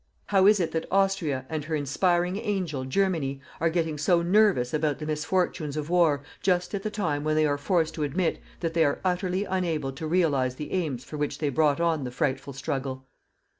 How is it that Austria, and her inspiring angel, Germany, are getting so nervous about the misfortunes of war, just at the time when they are forced to admit that they are utterly unable to realize the aims for which they brought on the frightful struggle?